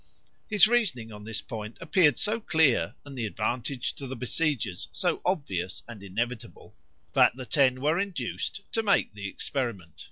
His reasoning on this point appeared so clear, and the advantage to the besiegers so obvious and inevitable, that the Ten were induced to make the experiment.